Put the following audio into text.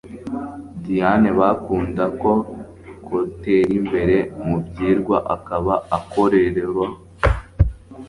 Diane…bakundako coterimbereMuvyirwa akaba akarorero